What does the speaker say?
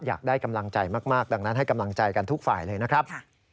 อยากได้กำลังใจมากดังนั้นให้กำลังใจกันทุกฝ่ายเลยนะครับ